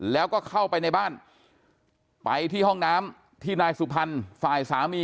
แล้วก็เข้าไปในบ้านไปที่ห้องน้ำที่นายสุพรรณฝ่ายสามี